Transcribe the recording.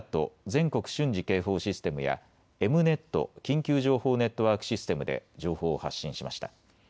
・全国瞬時警報システムや、Ｅｍ−Ｎｅｔ・緊急情報ネットワークシステムで情報を発信しました。